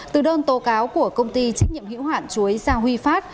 từ đơn tố cáo của công ty trách nhiệm hiếu hoạn chuối gia huy phát